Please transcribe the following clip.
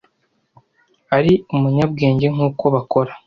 Ari umunyabwenge nkuko bakora.